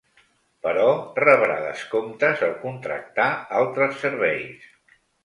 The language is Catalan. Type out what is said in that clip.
Però rebrà descomptes al contractar altres serveis.